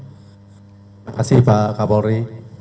terima kasih pak kapolri